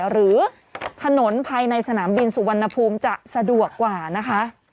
หรือถนนภายในสนามบินสุวรรณภูมิจะสะดวกกว่านะคะ